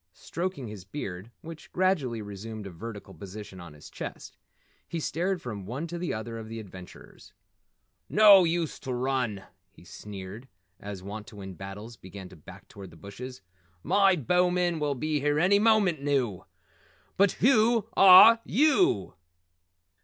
Stroking his beard which gradually resumed a vertical position on his chest, he stared from one to the other of the adventurers. "No use to run," he sneered as Wantowin Battles began to back toward the bushes. "My bowmen will be here any moment now! But WHEW are YEW?"